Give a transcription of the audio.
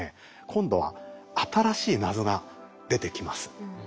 今度は新しい謎が出てきます。